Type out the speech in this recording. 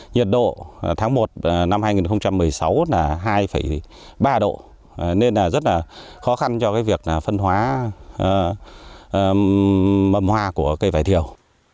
nhiệt độ tháng một năm hai nghìn một mươi sáu là hai ba độ c nên rất khó khăn cho việc phân hóa mầm hoa của cây vải thiều